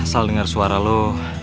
sal denger suara lo